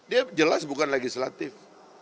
dia jelas bukan legislatif